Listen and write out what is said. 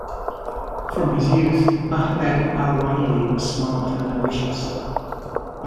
From his youth, Ahmed Al-Waeli was smart and ambitious.